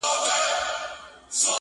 • هر څوک هڅه کوي تېر هېر کړي خو نه کيږي,